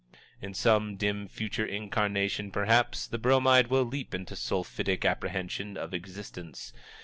In some dim future incarnation, perhaps, the Bromide will leap into sulphitic apprehension of existence.